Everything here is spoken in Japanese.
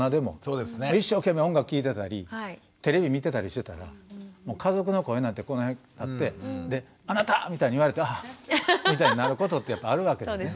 一生懸命音楽聴いてたりテレビ見てたりしてたら家族の声なんてこの辺あってで「あなた！」みたいに言われたら「ああっ」みたいになることってやっぱあるわけですね。